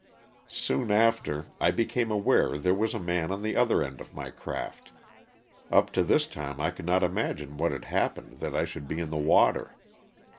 Soon after I became aware there was a man on the other end of my craft. Up to this time I could not imagine what had happened that I should be in the water.